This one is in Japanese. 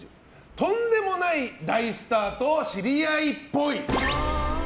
とんでもない大スターと知り合いっぽい。